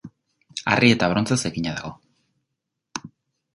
Harri eta brontzez egina dago.